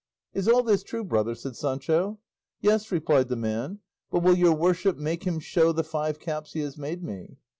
"Is all this true, brother?" said Sancho. "Yes," replied the man; "but will your worship make him show the five caps he has made me?"